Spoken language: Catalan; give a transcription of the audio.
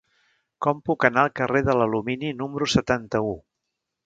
Com puc anar al carrer de l'Alumini número setanta-u?